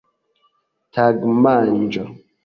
tagmanĝo